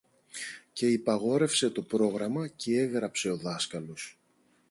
Και υπαγόρευσε το πρόγραμμα, κι έγραψε ο δάσκαλος